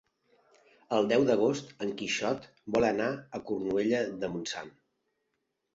El deu d'agost en Quixot vol anar a Cornudella de Montsant.